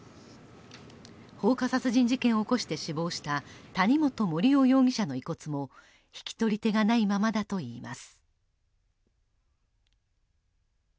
放火殺人事件を起こして死亡した谷本盛雄容疑者の遺骨も引き取り手がないままだといいます。